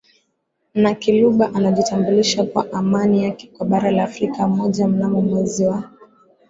na Kiluba alijitambulisha kwa imani yake kwa bara la Afrika mojaMnamo mwezi wa